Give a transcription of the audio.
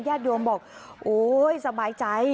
ญาติดวงบอกโอ้โหสบายใจ